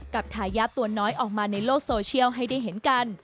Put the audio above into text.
ทายาทตัวน้อยออกมาในโลกโซเชียลให้ได้เห็นกัน